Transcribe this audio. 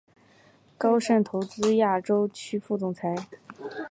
高盛投资亚洲区副总裁。